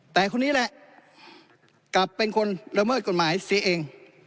แต่คนนี้แหละกลับเป็นคนละเมิดกฎหมายเสียเอง